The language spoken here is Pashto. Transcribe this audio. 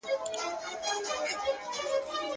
شپونکی چي نه سي ږغولای له شپېلۍ سندري؛